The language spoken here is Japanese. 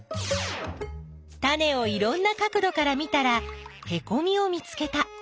タネをいろんな角どから見たらへこみを見つけた。